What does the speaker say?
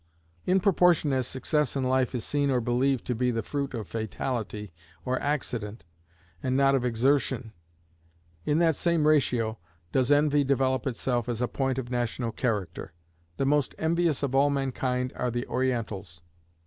In proportion as success in life is seen or believed to be the fruit of fatality or accident and not of exertion in that same ratio does envy develop itself as a point of national character. The most envious of all mankind are the Orientals.